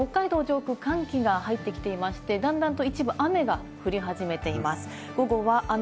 北海道上空、寒気が入って来ていまして、だんだんと一部、雨が降り始めています。